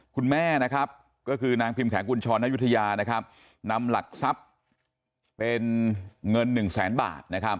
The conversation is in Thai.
คุณแม่นางพิมแขงคุณชรนายุทยานำหลักทรัพย์เป็นเงินหนึ่งแสนบาท